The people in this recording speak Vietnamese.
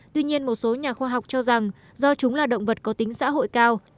tuy nhiên một số nhà khoa học cho rằng do chúng là động vật có tính xã hội cao